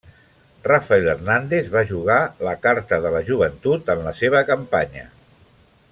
Rafael Hernández va jugar la carta de la joventut en la seva campanya.